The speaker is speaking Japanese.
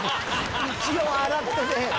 一応洗ってね。